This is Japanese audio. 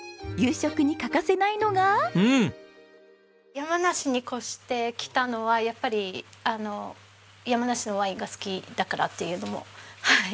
山梨に越してきたのはやっぱり山梨のワインが好きだからっていうのもはい。